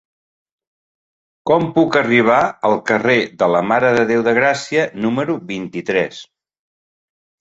Com puc arribar al carrer de la Mare de Déu de Gràcia número vint-i-tres?